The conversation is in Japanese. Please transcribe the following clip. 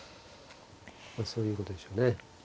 まあそういうことでしょうね。